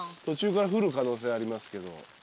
途中から降る可能性ありますけど。